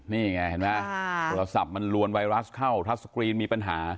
นี่ไงเห็นไหมโทรศัพท์มันลวนไวรัสเข้าทัศกรีนมีปัญหา